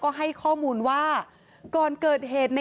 กลุ่มวัยรุ่นฝั่งพระแดง